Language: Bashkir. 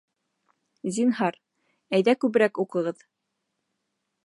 Зинһар, әйҙә күберәк уҡығыҙ